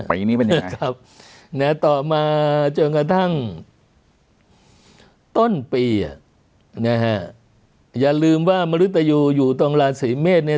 ปีนี้เป็นยังไงครับนะต่อมาจนกระทั่งต้นปีนะฮะอย่าลืมว่ามนุษยูอยู่ตรงราศีเมษเนี่ย